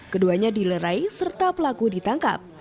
keduanya dilerai serta pelaku ditangkap